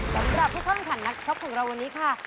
กำลังกับผู้ขอบคุณผ่านนักชอบของเราวันนี้ค่ะ